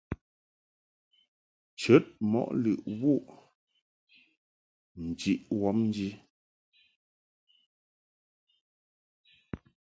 Nchəd mɔʼ lɨʼ wuʼ njiʼ wɔbnji.